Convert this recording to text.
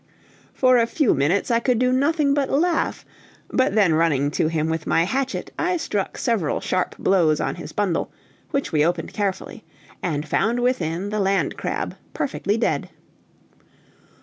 For a few minutes I could do nothing but laugh, but then running to him with my hatchet, I struck several sharp blows on his bundle, which we opened carefully, and found within the land crab perfectly dead.